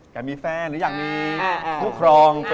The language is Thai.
อยากมีแฟนหรืออยากมีคู่ครอง